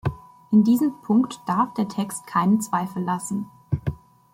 In diesem Punkt darf der Text keinen Zweifel lassen.